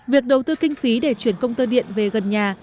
việc đầu tư kinh phí để chuyển công tơ điện về gần nhà